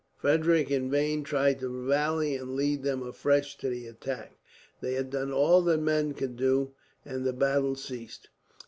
Frederick in vain tried to rally and lead them afresh to the attack. They had done all that men could do, and the battle ceased.